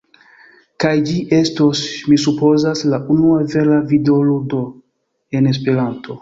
kaj ĝi estos, mi supozas, la unua vera videoludo en Esperanto.